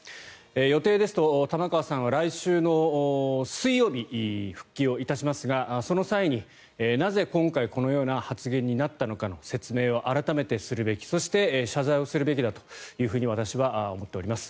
予定ですと玉川さんは来週の水曜日復帰をいたしますがその際に、なぜ今回このような発言になったのかの説明は改めてするべきそして、謝罪をするべきだと私は思っております。